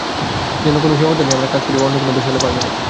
যেসব সীমাবদ্ধতা নিয়ে আমরা কাজ করি, অন্য কোনো দেশ হলে পারবে না।